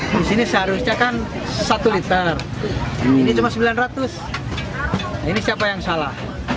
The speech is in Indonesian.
di sini seharusnya kan satu liter ini cuma sembilan ratus ini siapa yang salah